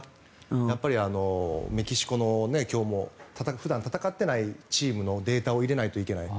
やっぱりメキシコの普段戦っていないチームのデータを入れないといけない。